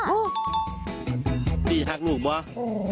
จิหักลูกมั้ย